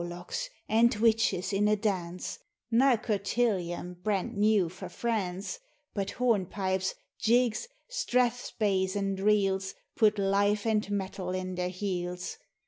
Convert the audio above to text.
Warlocks and witches in a dance : Nae cotillon brent new frae France, But hornpipes, jigs, strathspeys, and reels Put life and mettle in their heels.